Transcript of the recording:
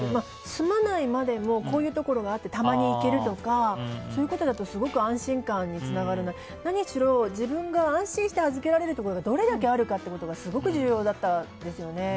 住まないまでもこういうところがあってたまに行けるとかそういうことだとすごく安心感につながるし何より、自分が安心して預ける場所がどれだけあるかということがすごく重要だったんですよね。